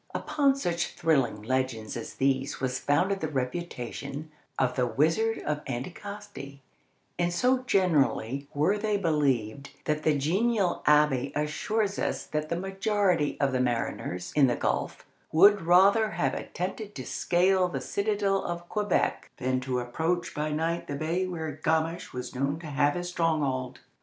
Upon such thrilling legends as these was founded the reputation of the "Wizard of Anticosti," and so generally were they believed that the genial abbé assures us that the majority of the mariners in the gulf would rather have attempted to scale the citadel of Quebec than to approach by night the bay where Gamache was known to have his stronghold.